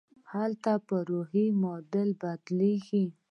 هلته پر روحي معادل بدلېږي.